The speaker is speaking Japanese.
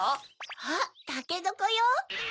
あったけのこよ。